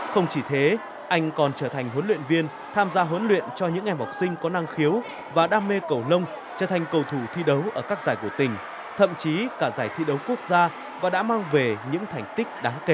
không chỉ thế anh còn trở thành huấn luyện viên tham gia huấn luyện cho những em học sinh có năng khiếu và đam mê cẩu lông trở thành cầu thủ thi đấu ở các giải của tỉnh thậm chí cả giải thi đấu quốc gia và đã mang về những thành tích đáng kể